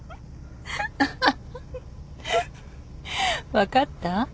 分かった？